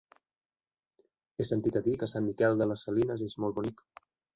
He sentit a dir que Sant Miquel de les Salines és molt bonic.